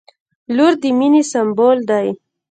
• لور د مینې سمبول دی.